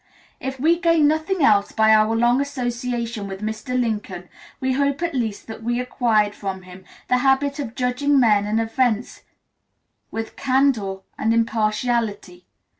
If we gained nothing else by our long association with Mr. Lincoln we hope at least that we acquired from him the habit of judging men and events with candor and impartiality.